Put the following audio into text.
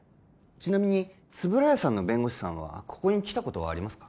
ちなみに円谷さんの弁護士さんはここに来たことはありますか？